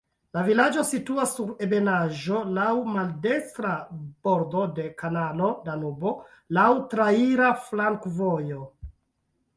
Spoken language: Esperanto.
La vilaĝo situas sur ebenaĵo, laŭ maldekstra bordo de kanalo Danubo, laŭ traira flankovojo.